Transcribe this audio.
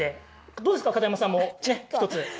どうですか、片山さんも１つ。